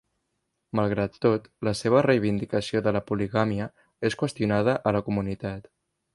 Malgrat tot, la seva reivindicació de la poligàmia és qüestionada a la comunitat.